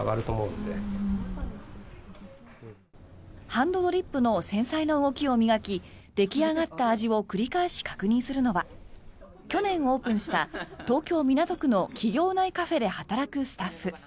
ハンドドリップの繊細な動きを磨き出来上がった味を繰り返し確認するのは去年オープンした東京・港区の企業内カフェで働くスタッフ。